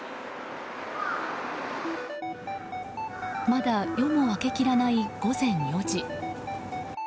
まだ夜も明けきらない午前４時。